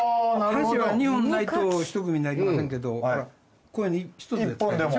箸は２本ないと１組になりませんけどこれ１つで使えるでしょ？